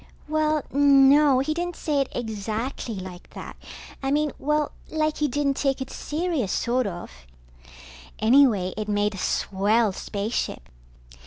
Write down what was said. Well, no, he didn't say it exactly like that. I mean, well, like he didn't take it serious, sort of. Anyway, it made a swell spaceship.